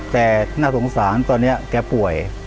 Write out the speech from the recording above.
แต่หน้าทรงสารตัวนี้แก่ป่วย